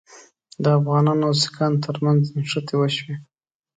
د افغانانو او سیکهانو ترمنځ نښتې وشوې.